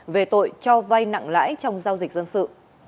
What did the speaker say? về tội cho vay nặng lãi trong giao dịch dân sự